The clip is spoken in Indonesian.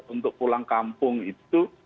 untuk pulang kampung itu